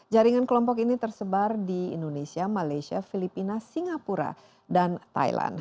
jaringan kelompok ini tersebar di indonesia malaysia filipina singapura dan thailand